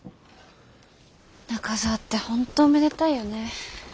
中澤って本当おめでたいよね。